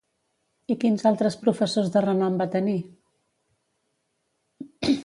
I quins altres professors de renom va tenir?